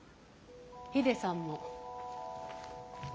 ヒデさんも。